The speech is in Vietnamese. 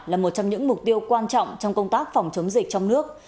là một trong những mục tiêu quan trọng trong công tác phòng chống dịch trong nước